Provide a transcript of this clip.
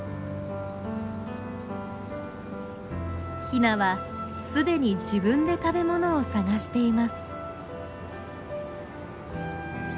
ヒナはすでに自分で食べ物を探しています。